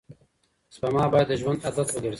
سپما باید د ژوند عادت وګرځي.